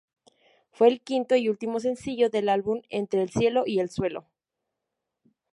Fue el quinto y último sencillo del álbum "Entre el cielo y el suelo".